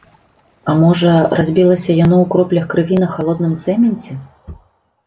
А можа, разбілася яно ў кроплях крыві на халодным цэменце?